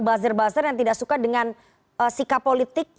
bazar bazar yang tidak suka dengan sikap politik yang dipilih